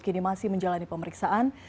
kini masih menjalani pemeriksaan